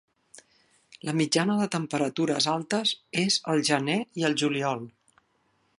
La mitjana de temperatures altes és al gener i al juliol.